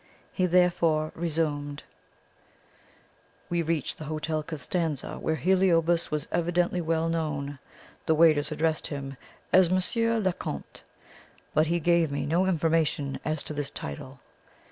He therefore resumed: "We reached the Hotel Costanza, where Heliobas was evidently well known. The waiters addressed him as Monsieur le Comte; but he gave me no information as to this title.